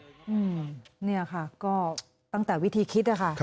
อืมเนี่ยค่ะก็ตั้งแต่วิธีคิดนะคะ